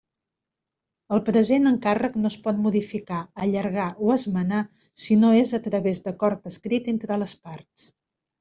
El present encàrrec no es pot modificar, allargar o esmenar si no és a través d'acord escrit entre les parts.